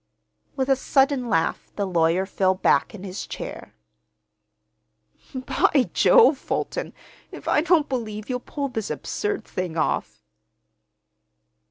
With a sudden laugh the lawyer fell back in his chair. "By Jove, Fulton, if I don't believe you'll pull this absurd thing off!"